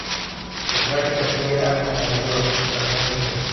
Su trágica historia ha conmovido al mundo entero.